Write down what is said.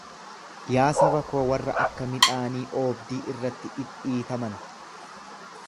Yaa saba koo warra akka midhaanii oobdii irratti dhidhiitaman.